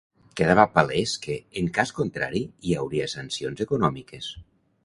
Quedava palès que, en cas contrari, hi hauria sancions econòmiques.